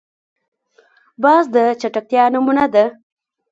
باز د چټکتیا نمونه ده